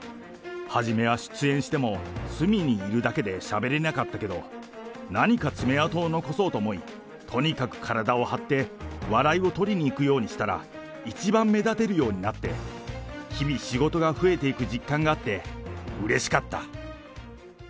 初めは出演しても、隅にいるだけでしゃべれなかったけど、何か爪痕を残そうと思い、とにかく体を張って、笑いを取りにいくようにしたら、一番目立てるようになって、日々仕事が増えていく実感があって、うれしかった。